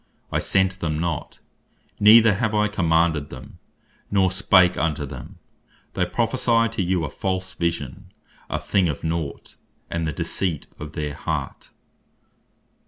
I sent them not, neither have I commanded them, nor spake unto them, they prophecy to you a false Vision, a thing of naught; and the deceit of their heart."